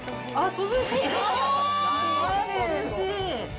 涼しい！